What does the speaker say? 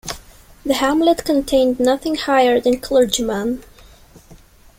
The hamlet contained nothing higher than clergyman.